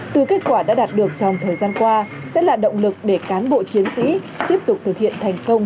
từ kết quả đã đạt được trong thời gian qua sẽ là động lực để cán bộ chiến sĩ tiếp tục thực hiện thành công